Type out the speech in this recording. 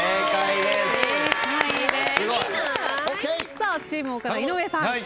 さあチーム岡田井上さん